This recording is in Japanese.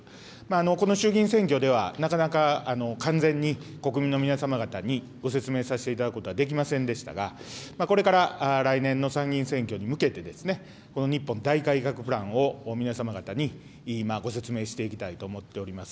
この衆議院選挙では、なかなか完全に国民の皆様方にご説明させていただくことはできませんでしたが、これから来年の参議院選挙に向けてですね、この日本大改革プランを皆様方にご説明していきたいと思っております。